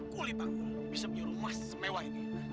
kulit bangku bisa punya rumah semewah ini